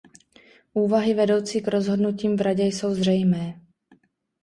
Úvahy vedoucí k rozhodnutím v Radě jsou zřejmé.